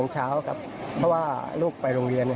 ใช่ค่ะ